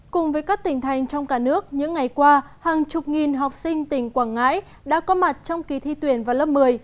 cùng với các tỉnh thành trong cả nước những ngày qua hàng chục nghìn học sinh tỉnh quảng ngãi đã có mặt trong kỳ thi tuyển vào lớp một mươi